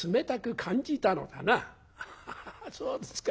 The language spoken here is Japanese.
「ハハハそうですか。